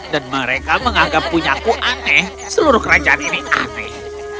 dan mereka menganggap punyaku aneh seluruh kerajaan ini aneh